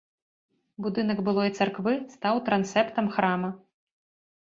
Будынак былой царквы стаў трансептам храма.